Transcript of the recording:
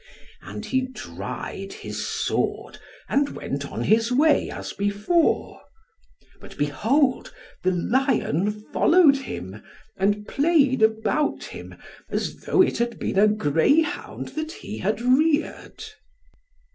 And he dried his sword, and went on his way, as before. But behold the lion followed him, and played about him, as though it had been a greyhound, that he had reared.